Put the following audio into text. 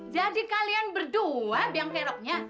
jadi kalian berdua biang keroknya